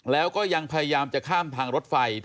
แล้วก็ยังพยายามจะข้ามทางรถไฟ